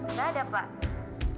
enggak ada pak